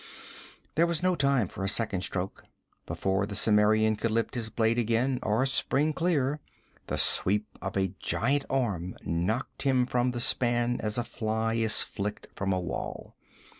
There was no time for a second stroke. Before the Cimmerian could lift his blade again or spring clear, the sweep of a giant arm knocked him from the span as a fly is flicked from a wall.